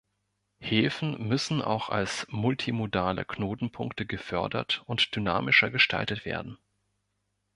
Häfen müssen auch als multimodale Knotenpunkte gefördert und dynamischer gestaltet werden.